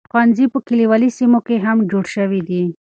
ښوونځي په کليوالي سیمو کې هم جوړ شوي دي.